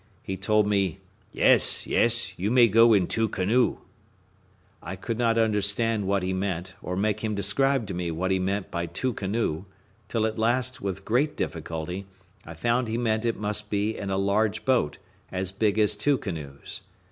He told me, "Yes, yes, you may go in two canoe." I could not understand what he meant, or make him describe to me what he meant by two canoe, till at last, with great difficulty, I found he meant it must be in a large boat, as big as two canoes.